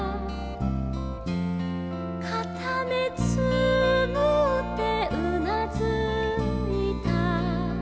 「かためつむってうなずいた」